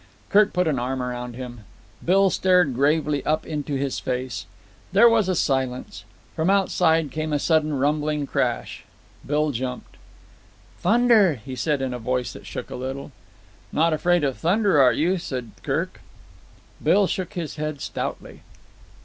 Kirk put an arm round him. Bill stared gravely up into his face. There was a silence. From outside came a sudden rumbling crash. Bill jumped. "Funder," he said in a voice that shook a little. "Not afraid of thunder, are you?" said Kirk. Bill shook his head stoutly.